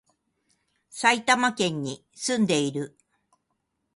埼玉県に、住んでいる